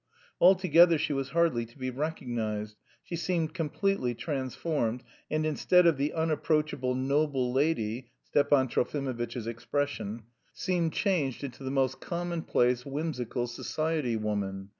Altogether she was hardly to be recognised. She seemed completely transformed, and instead of the unapproachable "noble lady" (Stepan Trofimovitch's expression) seemed changed into the most commonplace, whimsical society woman.